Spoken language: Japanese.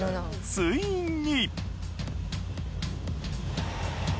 ついに。